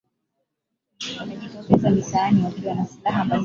katika michuano ya mwaka elfu moja mia tisa hamsini na nane